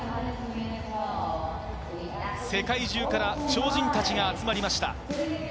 世界中から超人たちが集まりました。